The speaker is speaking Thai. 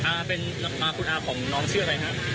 คุณอ่าเป็นนำมหาคุณอ่าของน้องเชื่ออะไรฮะ